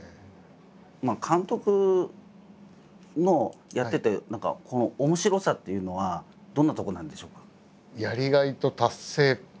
監督のやってて面白さっていうのはどんなとこなんでしょうか？